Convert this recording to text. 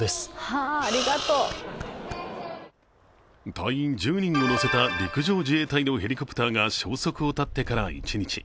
隊員１０人を乗せた陸上自衛隊のヘリコプターが消息を絶ってから１日。